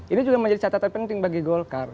ini juga menjadi catatan penting bagi golkar